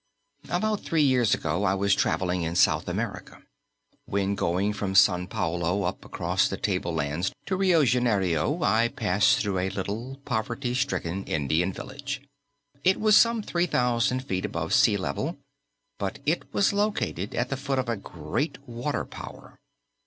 About three years ago I was travelling in South America. When going from Sao Paulo up across the tablelands to Rio Janeiro, I passed through a little poverty stricken Indian village. It was some 3,000 feet above sea level; but it was located at the foot of a great water power.